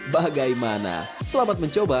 bagaimana selamat mencoba